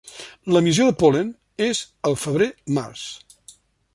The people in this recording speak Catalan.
L'emissió de pol·len és al febrer-març.